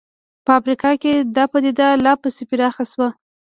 په افریقا کې دا پدیده لا پسې پراخه شوه.